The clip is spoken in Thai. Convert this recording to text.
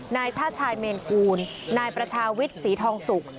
นายชาติชายเมนกูลนายประชาวิทย์ศรีทองสุก